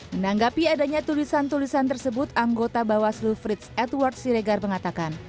menanggapi adanya tulisan tulisan tersebut anggota bawaslu frits edward siregar mengatakan